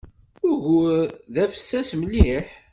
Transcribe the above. Ugur-a d afessas mliḥ.